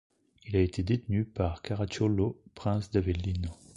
Il a été détenu par Caracciolo, Prince d'Avellino.